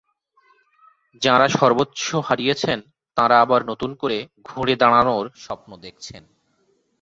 যাঁরা সর্বস্ব হারিয়েছেন তাঁরা আবার নতুন করে ঘুরে দাঁড়ানোর স্বপ্ন দেখছেন।